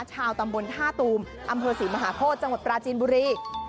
ชาวตำบลท่าตูมอำเภอศรีมหาโพธิจังหวัดปราจีนบุรี